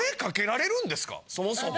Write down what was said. そもそも。